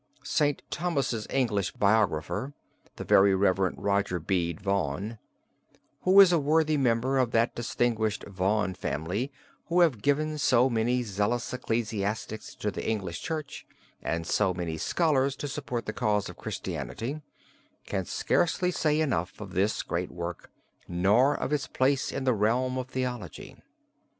St. Thomas's English biographer, the Very Rev. Roger Bede Vaughan, who is a worthy member of that distinguished Vaughan family who have given so many zealous ecclesiastics to the English Church and so many scholars to support the cause of Christianity, can scarcely say enough of this great work, nor of its place in the realm of theology.